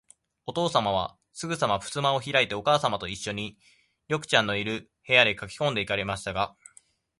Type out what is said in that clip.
おとうさまは、すぐさまふすまをひらいて、おかあさまといっしょに、緑ちゃんのいる、部屋へかけこんで行かれましたが、